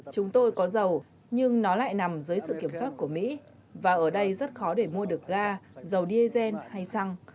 chúng tôi có dầu nhưng nó lại nằm dưới sự kiểm soát của mỹ và ở đây rất khó để mua được ga dầu diesel hay xăng